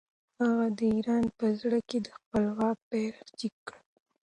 هغه د ایران په زړه کې د خپل واک بیرغ جګ کړ.